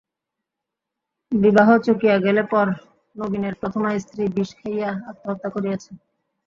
বিবাহ চুকিয়া গেলে পর নবীনের প্রথমা স্ত্রী বিষ খাইয়া আত্মহত্যা করিয়াছে।